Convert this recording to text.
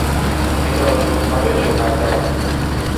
مداد خودکار جوهردار